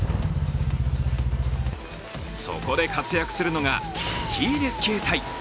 そこで活躍するのがスキーレスキュー隊。